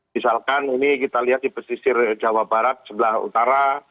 misalkan ini kita lihat di pesisir jawa barat sebelah utara